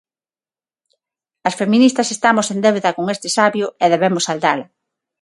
As feministas estamos en débeda con este sabio e debemos saldala.